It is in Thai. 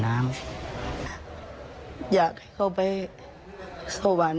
อยากให้เขาไปสวรรค์